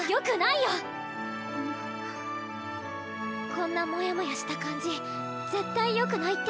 こんなもやもやした感じ絶対よくないって。